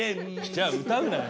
じゃあ歌うなよ。